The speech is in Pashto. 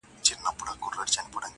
تاج دي کم سلطان دي کم اورنګ دي کم؛